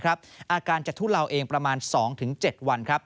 อาการจะทุเลาเองประมาณ๒๗วัน